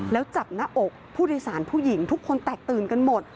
แล้วจับหน้าอกผู้โดยสารผู้หญิงทุกคนแตกตื่นกันหมด